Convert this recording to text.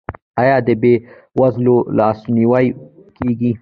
آیا د بې وزلو لاسنیوی کیږي؟